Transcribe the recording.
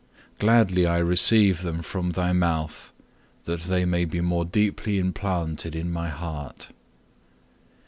Gladly I receive them from Thy mouth, that they may be more deeply implanted in my heart.